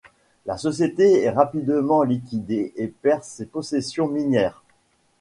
La société est rapidement liquidée et perd ses possessions minières.